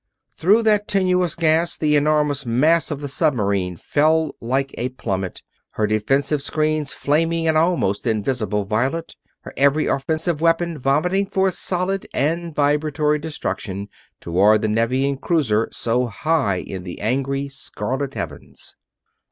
Through that tenuous gas the enormous mass of the submarine fell like a plummet, her defensive screens flaming an almost invisible violet, her every offensive weapon vomiting forth solid and vibratory destruction toward the Nevian cruiser so high in the angry, scarlet heavens.